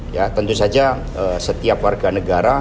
ya tentu saja setiap warga negara